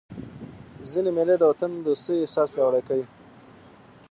ځيني مېلې د وطن دوستۍ احساس پیاوړی کوي.